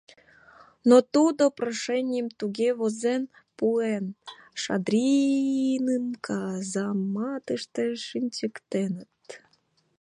Но тудо прошенийым туге возен пуэн, Шадриным казаматыште шинчыктеныт.